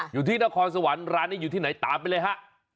อยู่ที่นครสวรรค์ร้านนี้อยู่ที่ไหนตามไปเลยฮะ